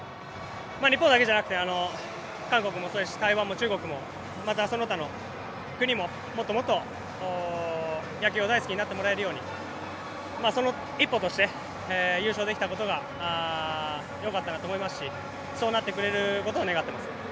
日本だけじゃなくて韓国もそうですし、台湾も中国も、またその他の国ももっともっと野球を大好きになってもらえるようにその一歩として優勝できたことがよかったなと思いますしそうなってくれることを願ってます。